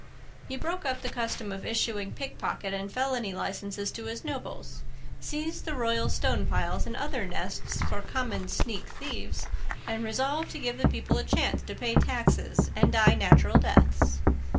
He broke up the custom of issuing pickpocket and felony licenses to his nobles, seized the royal stone piles and other nests for common sneak thieves, and resolved to give the people a chance to pay taxes and die natural deaths.